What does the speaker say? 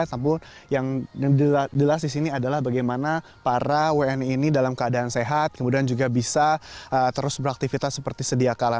namun yang jelas di sini adalah bagaimana para wni ini dalam keadaan sehat kemudian juga bisa terus beraktivitas seperti sedia kala